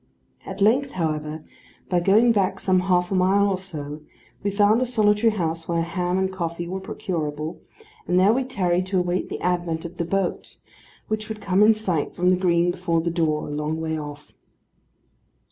At length, however, by going back some half a mile or so, we found a solitary house where ham and coffee were procurable; and there we tarried to wait the advent of the boat, which would come in sight from the green before the door, a long way off.